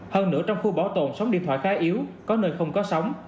hơn nửa trong khu bảo tồn sống điện thoại khá yếu có nơi không có sóng